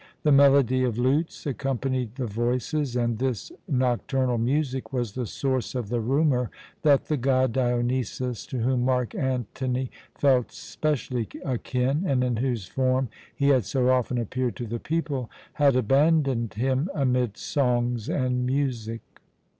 The melody of lutes accompanied the voices, and this nocturnal music was the source of the rumour that the god Dionysus, to whom Mark Antony felt specially akin, and in whose form he had so often appeared to the people, had abandoned him amid songs and music.